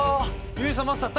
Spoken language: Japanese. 結衣さんマスター！